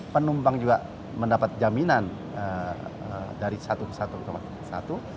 penumpang juga mendapat jaminan dari satu ke satu